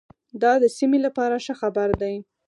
دا د سیمې لپاره ښه خبر دی.